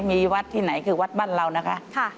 มีวัดที่ไหนคือวัดบ้านเรานะคะ